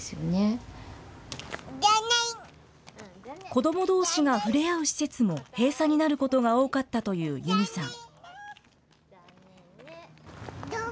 子どもどうしが触れ合う施設も閉鎖になることが多かったというＹｕｍｉさん。